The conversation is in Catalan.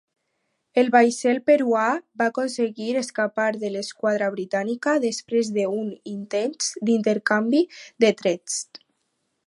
El vaixell peruà va aconseguir escapar de l'esquadra britànica després d'un intens intercanvi de trets.